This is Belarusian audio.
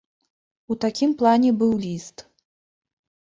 У такім плане быў ліст.